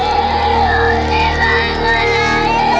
terus mau kemana